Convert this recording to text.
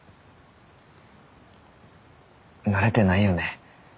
慣れてないよね。